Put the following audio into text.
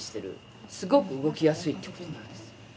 すごく動きやすいって事なんですよ